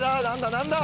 何だ？